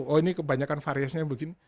oh ini kebanyakan variasinya begini